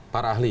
para ahli ya